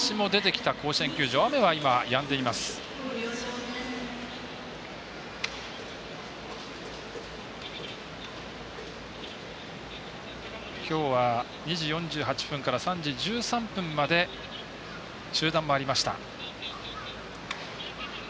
きょうは２時４８分から３時１３分まで中断もありました。